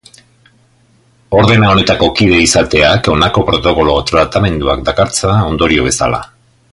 Ordena honetako kide izateak honako protokolo tratamenduak dakartza ondorio bezala.